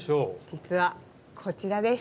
実はこちらです。